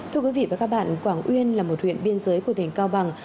thưa quý vị và các bạn quảng uyên là một huyện biên giới của tỉnh cao bằng